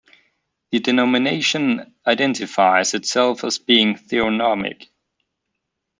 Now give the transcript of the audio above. The denomination identifies itself as being theonomic.